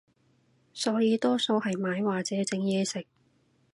所以多數係買或者整嘢食